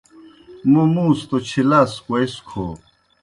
موں مُوݩس توْ چھلاس کوئیس کھو